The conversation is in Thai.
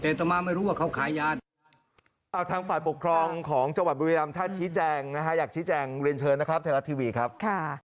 แต่ตัวมาไม่รู้ว่าเขาขายยา